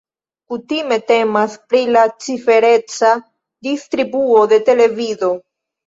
Kutime temas pri la cifereca distribuo de televido.